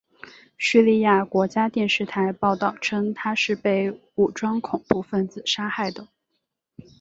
叙利亚国家电视台报道称他是被武装恐怖分子杀害的。